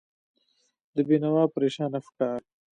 د بېنوا پرېشانه افکار